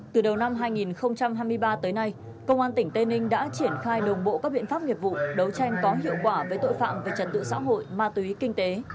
từ đầu năm hai nghìn hai mươi ba tới nay công an tỉnh tây ninh đã triển khai đồng bộ các biện pháp nghiệp vụ đấu tranh có hiệu quả với tội phạm về trật tự xã hội ma túy kinh tế